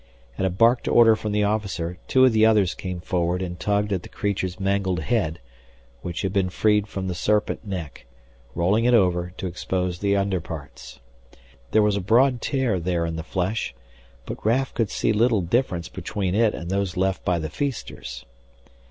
At a barked order from the officer, two of the others came forward and tugged at the creature's mangled head, which had been freed from the serpent neck, rolling it over to expose the underparts. There was a broad tear there in the flesh, but Raf could see little difference between it and those left by the feasters.